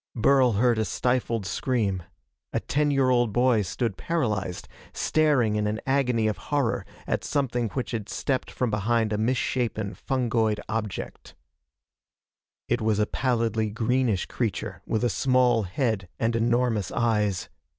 Burl heard a stifled scream. A ten year old boy stood paralyzed, staring in an agony of horror at something which had stepped from behind a misshapen fungoid object. It was a pallidly greenish creature with a small head and enormous eyes.